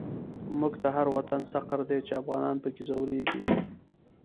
موږ ته هر وطن سقر دی، چی افغان په کی ځوريږی